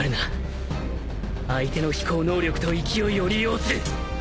相手の飛行能力と勢いを利用する